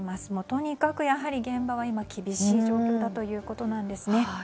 とにかくやはり現場は今厳しい状況だということですね。